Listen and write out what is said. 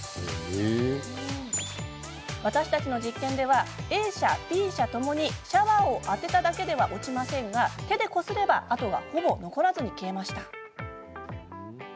私たちの実験ではＡ社、Ｂ社ともにシャワーを当てただけでは落ちませんが、手でこすれば跡がほぼ残らずに消えました。